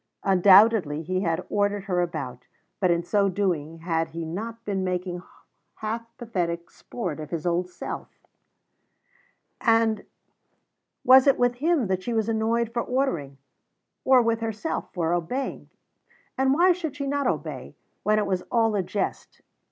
Undoubtedly he had ordered her about, but in so doing had he not been making half pathetic sport of his old self and was it with him that she was annoyed for ordering, or with herself for obeying? And why should she not obey, when it was all a jest?